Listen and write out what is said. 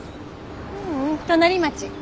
ううん隣町。